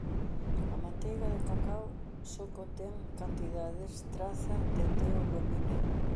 A manteiga de cacao só contén cantidades traza de teobromina.